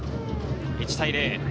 １対０。